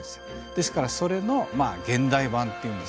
ですからそれの現代版っていうんですかね。